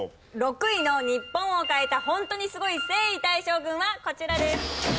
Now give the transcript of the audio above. ６位の日本を変えた本当にスゴい征夷大将軍はこちらです。